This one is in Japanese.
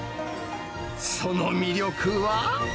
その魅力は？